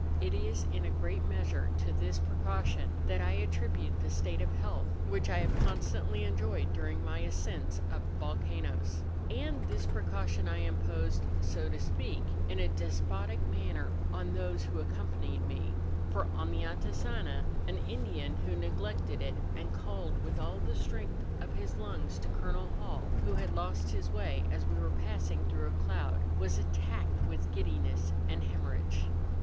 It is, in a great measure, to this pre¬ caution that I attribute the state of health which I liave constantly enjoyed during my ascents up vol¬ canoes. And this precaution I imposed, so to speak, in a despotic manner on those who accompanied me ; for, on the Antisana, an Indian who neglected it, and called with all the strength of his lungs to Col. Hall, who had lost his way as we were passing til rough a cloud, was attacked with giddiness and hemorrhage.